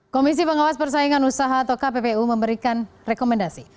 komisi pengawas persaingan usaha atau kppu memberikan rekomendasi